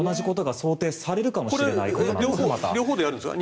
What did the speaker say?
これは両方でやるんですか？